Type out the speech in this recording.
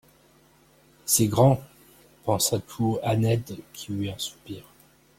C'est grand,» pensa tout haut Annette qui eut un soupir.